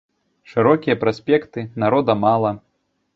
Шырокія праспекты, народа мала.